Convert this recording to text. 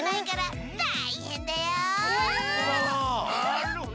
なるほど。